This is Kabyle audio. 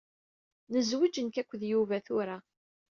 Nezweǧ nekk akked Yuba tura.